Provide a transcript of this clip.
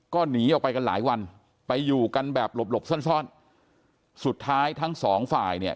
ก็หนีออกไปกันหลายวันไปอยู่กันแบบหลบหลบซ่อนซ่อนสุดท้ายทั้งสองฝ่ายเนี่ย